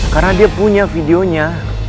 karena dia punya videonya